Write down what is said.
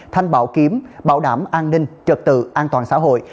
thanh bảo kiếm bảo đảm an ninh trật tự an toàn xã hội